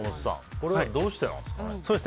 これはどうしてなんですか。